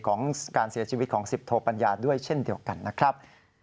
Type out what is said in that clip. ของการเสียชีวิตของสิบโทปัญญาด้วยเช่นเดียวกันนะครับ